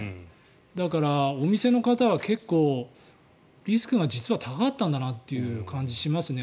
だから、お店の方は結構、リスクが実は高かったんだなという感じしますね。